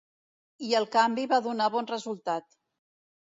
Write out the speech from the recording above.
I el canvi va donar bon resultat.